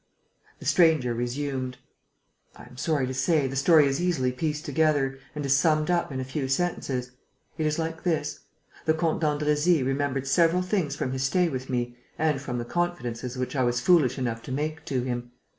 The stranger resumed: "I am sorry to say, the story is easily pieced together and is summed up in a few sentences. It is like this: the Comte d'Andrésy remembered several things from his stay with me and from the confidences which I was foolish enough to make to him.